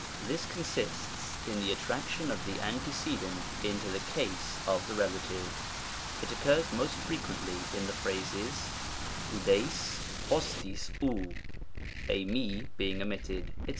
This consists in the attraction of the antecedent into the case of the relative. It occurs most frequent ly in the phrases, ovSbig oorcg ov (ei/ul being omitted), &c.